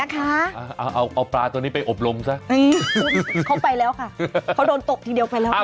เขาไปแล้วค่ะเขาโดนตกทีเดียวไปแล้วค่ะ